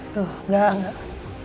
tuh enggak enggak